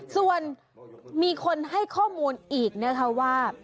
ส่วนมีคนให้ข้อมูลอีกนะคะว่า